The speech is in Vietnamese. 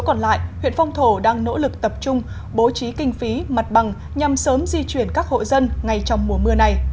còn lại huyện phong thổ đang nỗ lực tập trung bố trí kinh phí mặt bằng nhằm sớm di chuyển các hộ dân ngay trong mùa mưa này